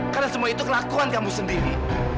karena semua itu kelakuan kamu sendiri